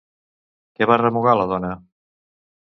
Què va remugar la dona?